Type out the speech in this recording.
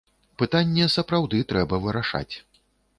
Пытанне сапраўды трэба вырашаць.